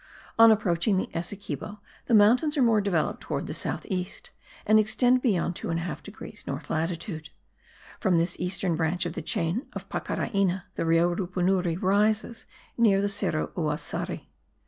On approaching the Essequibo, the mountains are more developed towards the south east, and extend beyond 2 1/2 degrees north latitude. From this eastern branch of the chain of Pacaraina the Rio Rupunuri rises near the Cerro Uassari.